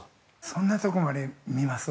◆そんなとこまで見ます？